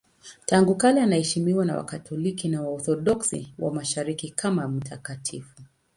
Tangu kale anaheshimiwa na Wakatoliki na Waorthodoksi wa Mashariki kama mtakatifu.